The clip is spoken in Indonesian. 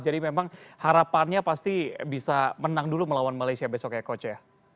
memang harapannya pasti bisa menang dulu melawan malaysia besok ya coach ya